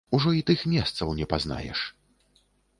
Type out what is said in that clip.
Ужо і тых месцаў не пазнаеш.